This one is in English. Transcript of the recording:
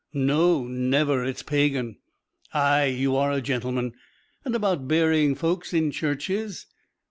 "No, never; it's pagan." "Aye, you are a gentleman and about burying folks in churches?"